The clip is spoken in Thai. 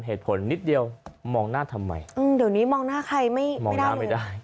เหตุผลนิดเดียวมองหน้าทำไมอืมเดี๋ยวนี้มองหน้าใครไม่มองหน้าไม่ได้